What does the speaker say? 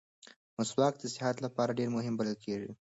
مسواک د صحت لپاره ډېر مهم بلل کېږي.